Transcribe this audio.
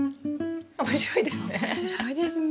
面白いですね。